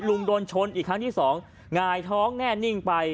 โดนชนอีกครั้งที่สองหงายท้องแน่นิ่งไป